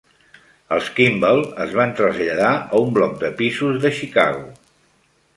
Els Kimble es van traslladar a un bloc de pisos de Chicago.